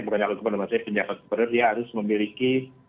penjabat penjabat dia harus memiliki